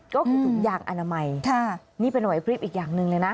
ก็คือตุ๊กยางอนามัยนี่เป็นหน่วยคริปอีกอย่างนึงเลยนะ